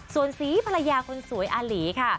ส่วนสีภรรยาคนสวยอาหลีค่ะ